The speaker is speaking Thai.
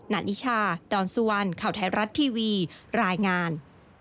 ันนิชาดอนสุวรรณข่าวไทยรัฐทีวีรายงาน